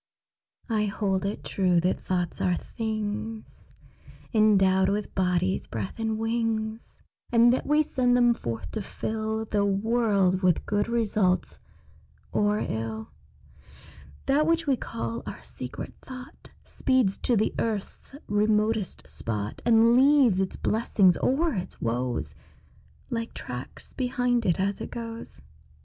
I hold it true that thoughts are things Endowed with bodies, breath, and wings, And that we send them forth to fill The world with good results or ill. That which we call our secret thought Speeds to the earth's remotest spot, And leaves its blessings or its woes Like tracks behind it as it goes.